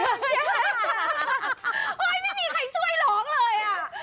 ไม่มีใครช่วยร้องเลยอ่ะ